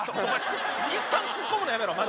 いったんツッコむのやめろマジで。